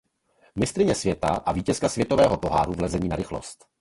Mistryně světa a vítězka světového poháru v lezení na rychlost.